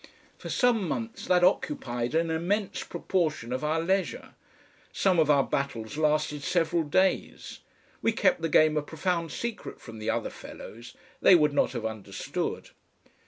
For some months that occupied an immense proportion of our leisure. Some of our battles lasted several days. We kept the game a profound secret from the other fellows. They would not have understood.